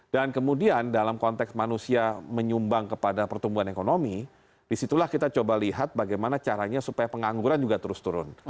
dan kemudian dalam konteks manusia menyumbang kepada pertumbuhan ekonomi disitulah kita coba lihat bagaimana caranya supaya pengangguran juga terus turun